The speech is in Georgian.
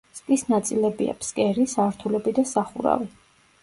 სკის ნაწილებია: ფსკერი, სართულები და სახურავი.